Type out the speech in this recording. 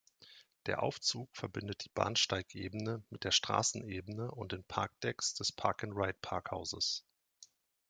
Der Aufzug verbindet die Bahnsteigebene mit der Straßenebene und den Parkdecks des Park-and-Ride-Parkhauses.